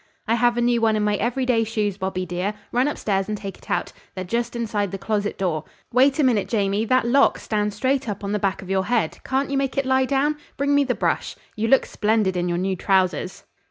"I have a new one in my everyday shoes, Bobby, dear; run upstairs and take it out. They're just inside the closet door. Wait a minute, Jamie; that lock stands straight up on the back of your head. Can't you make it lie down? Bring me the brush. You look splendid in your new trousers.